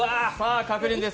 確認です。